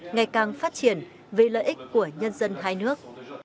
ngày càng phát triển vì lợi ích của nhân dân hai nước